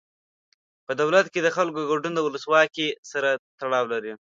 په دولت کې د خلکو ګډون د ولسواکۍ سره تړاو لري.